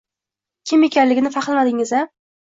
Kim ekanligini fahmladingiz-a?